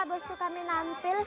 setelah kami nampil